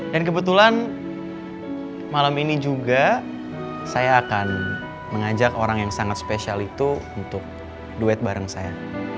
dan kebetulan malam ini juga saya akan mengajak orang yang sangat spesial itu untuk duet bareng saya